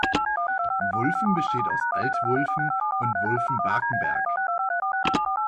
Wulfen besteht aus Alt-Wulfen und Wulfen-Barkenberg.